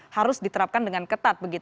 harus diterapkan dengan soal separated resident